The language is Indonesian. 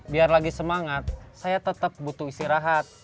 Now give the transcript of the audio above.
biar lagi semangat saya tetap butuh istirahat